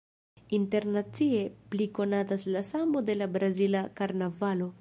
Internacie pli konatas la Sambo de la brazila karnavalo.